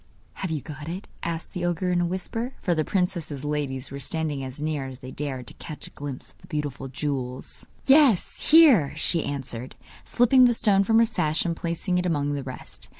'Have you got it?' asked the ogre in a whisper, for the princess's ladies were standing as near as they dared to catch a glimpse of the beautiful jewels. 'Yes, here,' she answered, slipping the stone from her sash and placing it among the rest.